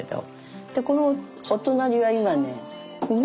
でこのお隣は今ね